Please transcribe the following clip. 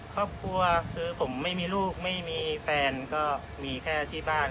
ครอบครัวคือผมไม่มีลูกไม่มีแฟนก็มีแค่ที่บ้าน